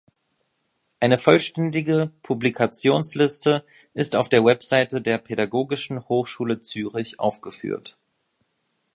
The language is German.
Eine vollständige Publikationsliste ist auf der Website der Pädagogischen Hochschule Zürich aufgeführt.